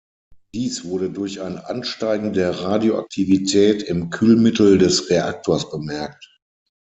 Dies wurde durch ein Ansteigen der Radioaktivität im Kühlmittel des Reaktors bemerkt.